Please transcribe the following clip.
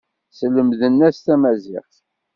Slemden-as tamaziɣt.